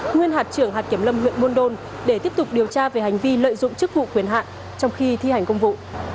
nguyên hạt trưởng hạt kiểm lâm huyện buôn đôn để tiếp tục điều tra về hành vi lợi dụng chức vụ quyền hạn trong khi thi hành công vụ